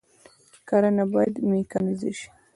کرنه باید میکانیزه شي